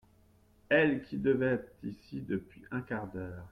Elle qui devait être ici depuis un quart d’heure…